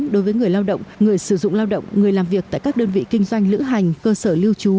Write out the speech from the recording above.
đối với người lao động người sử dụng lao động người làm việc tại các đơn vị kinh doanh lữ hành cơ sở lưu trú